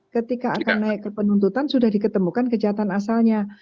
ketika akan naik ke penuntutan sudah diketemukan kejahatan asalnya